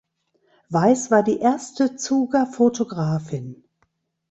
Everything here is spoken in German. Weiss war die erste Zuger Fotografin.